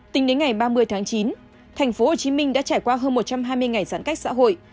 tính đến ngày ba mươi tháng chín tp hcm đã trải qua hơn một trăm hai mươi ngày giãn cách xã hội